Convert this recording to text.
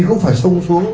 cũng phải xông xuống